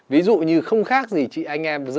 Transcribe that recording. ví dụ như không khác gì chị anh em